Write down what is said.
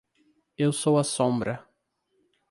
Eu sou a sombra.